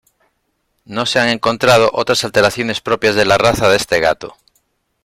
No se han encontrado otras alteraciones propias de la raza de este gato.